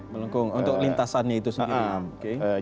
melengkung untuk lintasannya itu sendiri